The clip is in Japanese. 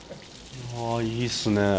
・いいっすね・